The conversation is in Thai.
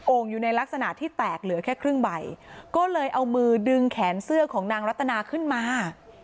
อยู่ในลักษณะที่แตกเหลือแค่ครึ่งใบก็เลยเอามือดึงแขนเสื้อของนางรัตนาขึ้นมา